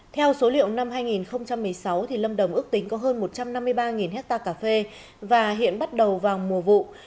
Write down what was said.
theo số liệu năm hai nghìn một mươi sáu lâm đồng ước tính có hơn một trăm năm mươi ba hectare cà phê và hiện bắt đầu vào mùa vụ